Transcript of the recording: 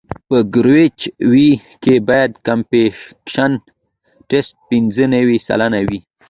په کیریج وې کې باید کمپکشن ټسټ پینځه نوي سلنه وي